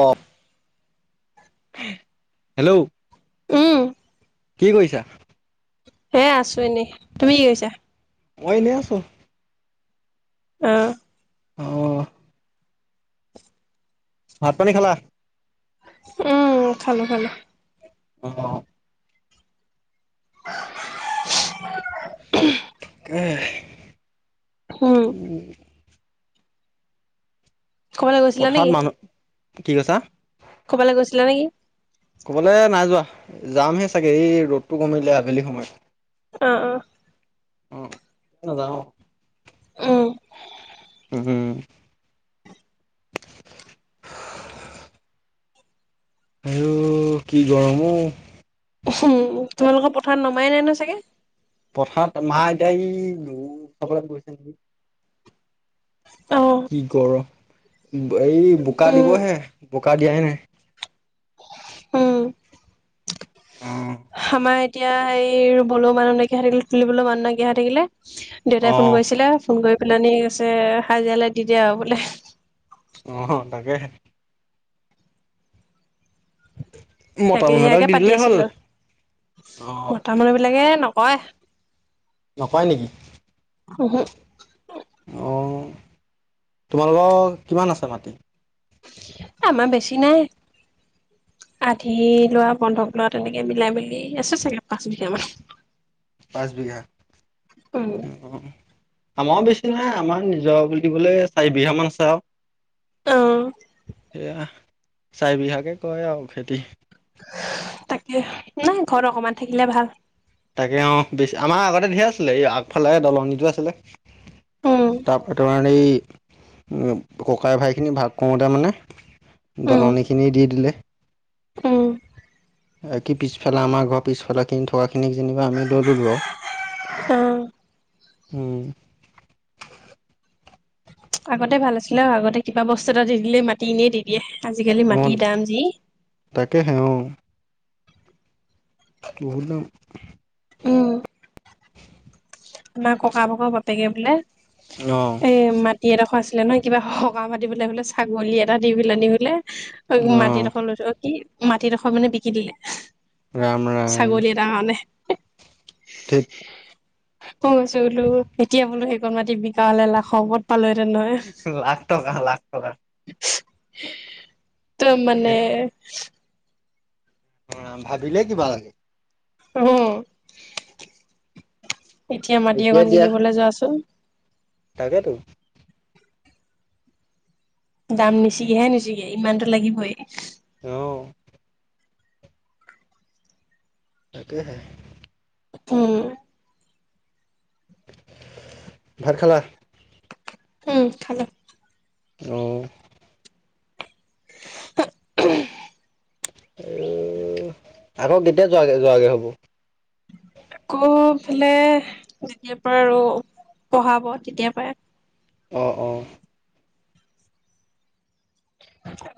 অ' hello উম কি কৰিছা? এ আছো এনে। তুমি কি কৰিছা? মই এনেই আছো। [inaudible] আহ। ভাত পানী খালা? উম, খালো খালো। অ'। উম। উম। কবালৈ গৈছিলা নে পথাৰত কি? মানুহ কি কৈইছা? ক'বালৈ গৈছিলা নে কি? ক'বালৈ নাই যোৱা যামহে চাগে এই ৰ'দটো কমিলে আবেলি সময়ত। অ', অ'। অ', নজানো উম উম, উম। আইও কি গৰম ঔ। উম, তোমালোকৰ পথাৰত নমাই নাই ন চাগে? পথাৰত মা এতয়া সি চাবলৈ গৈছে নেকি? অ কি গৰম। এই বোকা উম দিবহে বোকা দিয়াই নাই। উম অ', আমাৰ এতিয়া এই ৰুবলেও মানুহ নাইকিয়া থাকিলে তুলিবলৈ মানুহ নাইকিয়া থাকিলে। দেউতাই ফোন অ', কৰিছিলে ফোন কৰি পেলাই কৈছে হাজিৰালৈ দি দে আৰু বোলে। অ', তাকে। মতা তাকে মানুহ এটাক সেয়াকে দি পাতি দিলেই হ'ল আছিলো আৰু অ', মতা মানুহবিলাকে ন হয়। নকয় নেকি? অহো। অ', তোমালোকৰ কিমান আছে মাটি? আমাৰ বেছি নাই। [inaudible] আধি লোৱা বন্ধক লোৱা তেনেকে মিলাই মেলি আছে চাগে পাঁচ বিঘামান। পাঁচ বিঘা। উম আমাৰ বেছি নাই আমাৰ নিজৰ বুলিবলে চাৰি বিঘা মান আছে আৰু। অ সেয়া চাৰিবিঘাকে কৰে আৰু খেতি। তাকে নাই ঘৰত অকমান থাকিলে ভাল। তাকে অ' বেছি আমাৰ আগতে ধে আছিলে এই আগফালে দলনিতটো আছিলে উম তাৰপে তোমাৰ এই ককাই ভাইখিনি ভাগ কৰোতে মানে উম দলনিখিনি দি দিলে। উম বাকী পিছফালে আমাৰ ঘৰৰ পিছফালে কিনি থকাখিনিক যেনিবা আমি লৈ ল'লো আৰু। আহ। উম। আগতে ভাল আছিলে আৰু আগতে কিবা বস্তু এটা দি দিলেই মাতি এনেই দি দিয়ে। আজিকালি অ' মাটিৰ দাম যি। তাকেহে অ' বহুত ন। উম। আমাৰ ককা ভাগৰ বাপেকে বোলে অ' এ মাটি এডোখৰ আছিলে নহয় কিবা সকাহ পাতিবলে বোলে ছাগলী এটা দি পেলাই নি বোলে অ' মাটিডোখৰ লৈ থৈ কি মাটিডোখৰ মানে বিকি দিলে। ৰাম ছাগলীৰ এটা কাৰণে। ধেৎ। মই গৈছো বোলো এতিয়া বোলো সেইকণ মাতি বিকা হলে লাখ ওপৰত। পালোহেতেন নহয়। লাখ টকা লাখ টকা। দম মানে। অঁ, ভাবিলে কিবা লাগে। উম। এতিয়া মাটি একণ কিনিবলৈ যোৱাচোন। তাকেতো। দাম নিছিগেহে নিচিগে, ইমানতো লাগিবই। অঁ। তাকেহে। উম। ভাত খালা? উম খালো। অঁ। [unintelligible] এ, আকৌ কেতিয়া যোৱাগে যোৱাগে হ'ব? আকৌ এইফালে, যেতিয়াৰ পৰা আৰু পঢ়াব, তেতিয়াৰ পৰাই। অঁ, অঁ।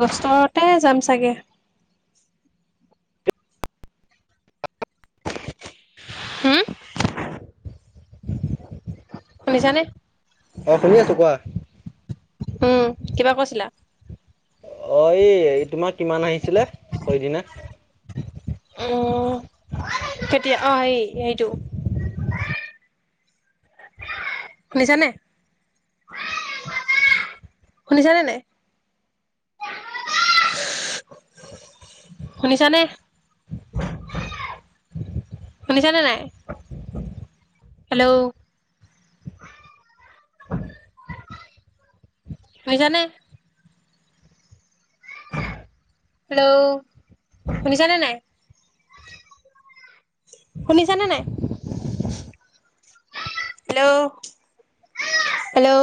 দষ্টৰতে যাম চাগে। হুম? শুনিছানে? অ' শুনি আছো। কোৱা, উম, কিবা কৈছিলা? অ' এই তোমাৰ কিমান আহিছিলে সইদিনা? উ, কেতিয়া অ' সেই সেইটো। শুনিছানে? শুনিছানে নাই? শুনিছানে? [inaudible] শুনিছানে নাই? হেল্ল'! [inaudible] শুনিছানে? হেল্ল'! শুনিছানে নাই? শুনিছানে নাই? হেল্ল'! হেল্ল'!